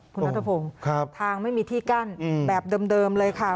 คุณนัทพงศ์ทางไม่มีที่กั้นแบบเดิมเลยค่ะ